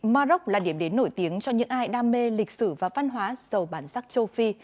maroc là điểm đến nổi tiếng cho những ai đam mê lịch sử và văn hóa giàu bản sắc châu phi